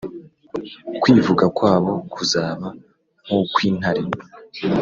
Kwivuga kwabo kuzaba nk’ukw’intare